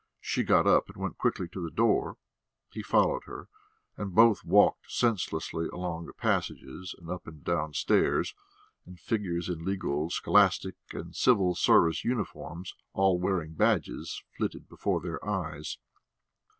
She got up and went quickly to the door; he followed her, and both walked senselessly along passages, and up and down stairs, and figures in legal, scholastic, and civil service uniforms, all wearing badges, flitted before their eyes.